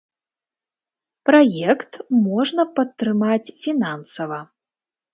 Праект можна падтрымаць фінансава.